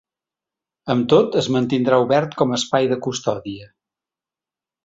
Amb tot es mantindrà obert com espai de custòdia.